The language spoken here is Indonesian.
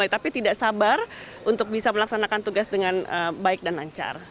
tapi tidak sabar untuk bisa melaksanakan tugas dengan baik dan lancar